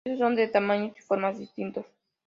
Estos son de tamaños y formas distintos.